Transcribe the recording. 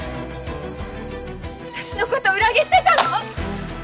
私のこと裏切ってたの！？